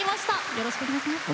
よろしくお願いします。